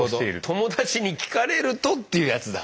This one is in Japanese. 友達に聞かれるとっていうやつだ。